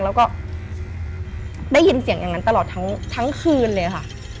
แล้วก็ได้ยินเสียงอย่างนั้นตลอดทั้งคืนเลยค่ะ